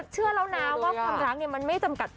ส้มหวานมากจริงนึกว่าวันเมล็นทายแล้วนะ